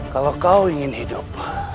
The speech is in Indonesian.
kalau kau ingin hidup